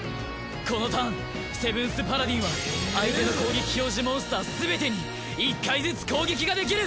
このターンセブンス・パラディンは相手の攻撃表示モンスターすべてに１回ずつ攻撃ができる！